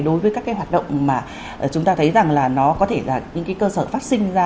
đối với các cái hoạt động mà chúng ta thấy rằng là nó có thể là những cái cơ sở phát sinh ra